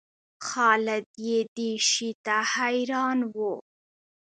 خالد یې دې شي ته حیران و.